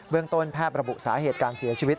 ต้นแพทย์ระบุสาเหตุการเสียชีวิต